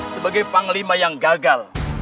sebagai panglima yang gagal